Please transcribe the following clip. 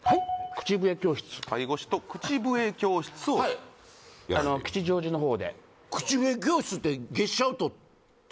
口笛教室介護士と口笛教室をはい吉祥寺の方で口笛教室って月謝をとって？